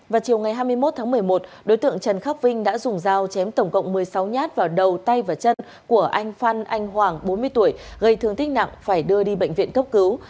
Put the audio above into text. vào chiều ngày hai mươi một tháng một mươi một đối tượng trần khắc vinh đã dùng dao chém tổng cộng một mươi sáu nhát vào đầu tay và chân của anh phan anh hoàng bốn mươi tuổi gây thương tích nặng phải đưa đi bệnh viện cấp cứu